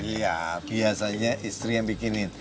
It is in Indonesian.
iya biasanya istri yang bikinin